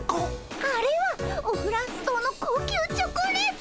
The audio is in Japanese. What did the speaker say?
あれはオフランス堂の高級チョコレート！